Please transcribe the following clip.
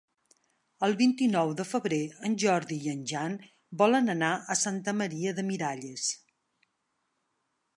El vint-i-nou de febrer en Jordi i en Jan volen anar a Santa Maria de Miralles.